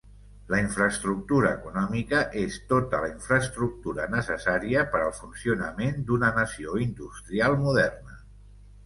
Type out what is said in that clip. La infraestructura econòmica és tota la infraestructura necessària per al funcionament d'una nació industrial moderna.